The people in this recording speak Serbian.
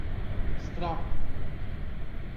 Страх ме је!